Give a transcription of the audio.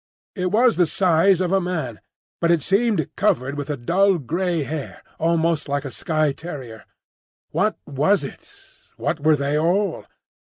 It was the size of a man, but it seemed covered with a dull grey hair almost like a Skye terrier. What was it? What were they all?